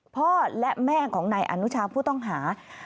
พ่อและแม่ของนายอนุชาผู้ต้องหา